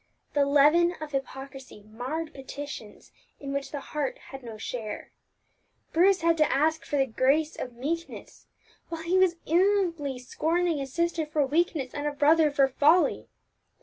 The leaven of hypocrisy marred petitions in which the heart had no share. Bruce had to ask for the grace of meekness, whilst he was inwardly scorning a sister for weakness and a brother for folly.